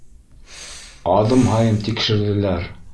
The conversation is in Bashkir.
Аҙым һайын тикшерҙеләр.